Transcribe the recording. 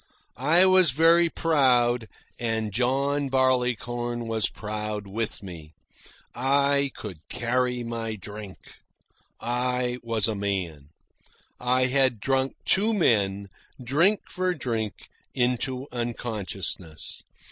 I was very proud, and John Barleycorn was proud with me. I could carry my drink. I was a man. I had drunk two men, drink for drink, into unconsciousness.